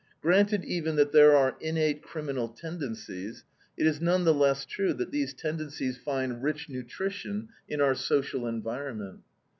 Granted even that there are innate criminal tendencies, it is none the less true that these tendencies find rich nutrition in our social environment.